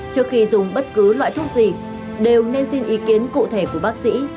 trước khi dùng bất cứ loại thuốc gì đều nên xin ý kiến cụ thể của bác sĩ